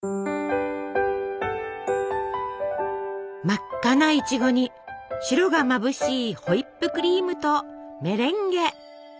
真っ赤ないちごに白がまぶしいホイップクリームとメレンゲ！